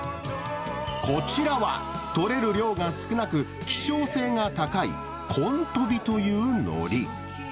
こちらは、取れる量が少なく、希少性が高い、こんとびというのり。